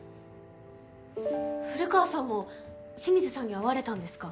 古川さんも清水さんに会われたんですか？